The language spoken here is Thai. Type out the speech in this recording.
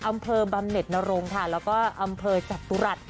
อำเภอบำเน็ตนรงค่ะแล้วก็อำเภอจตุรัส